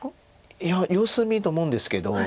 いや様子見と思うんですけど。